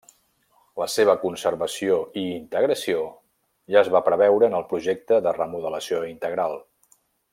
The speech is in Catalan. La seva conservació i integració ja es va preveure en el projecte de remodelació integral.